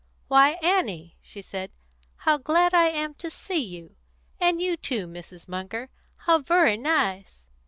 "Why, Annie," she said, "how glad I am to see you! And you too, Mrs. Munger. How vurry nice!"